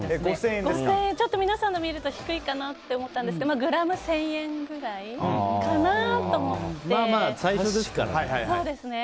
皆さんのを見ると低いかなって思ったんですけどグラム１０００円ぐらいかなと最初ですからね。